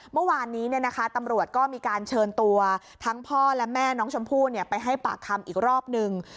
เมื่อวานนี้ตำรวจก็มีการเชิญตัวทั้งพ่อและแม่น้องชมพู่ไปให้ปากคำอีกรอบนึง